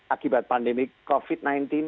akibat pandemi covid sembilan belas